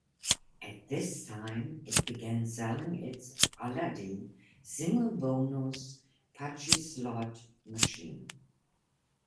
At this time, it began selling its Aladdin single-bonus pachislot machine.